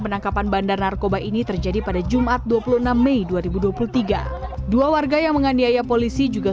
penangkapan bandar narkoba ini terjadi pada jumat dua puluh enam mei dua ribu dua puluh tiga dua warga yang menganiaya polisi juga